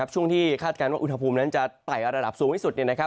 ช่วงที่คาดการณ์ว่าอุณหภูมินั้นจะไต่ระดับสูงที่สุด